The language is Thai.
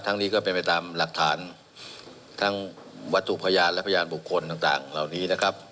นี้ก็เป็นไปตามหลักฐานทั้งวัตถุพยานและพยานบุคคลต่างเหล่านี้นะครับ